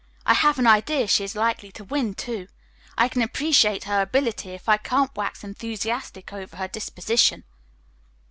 "I have an idea she is likely to win, too. I can appreciate her ability if I can't wax enthusiastic over her disposition."